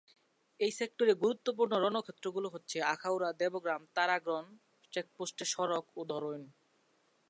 এ সেক্টরের গুরুত্বপূর্ণ রণক্ষেত্রগুলো হচ্ছে আখাউড়া, দেবগ্রাম, তারাগণ, চেকপোস্ট সড়ক ও দরুইন।